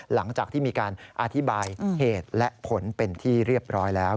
หลังจากที่มีการอธิบายเหตุและผลเป็นที่เรียบร้อยแล้ว